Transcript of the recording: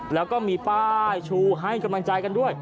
แล้วก็มีป้ายชูให้กำลังใจกันด้วย